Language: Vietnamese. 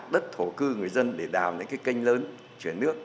đất thổ cư người dân để đào những cái kênh lớn chuyển nước